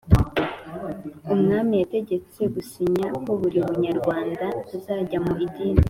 umwami yategetswe gusinya ko buri munyarwanda azajya mu idini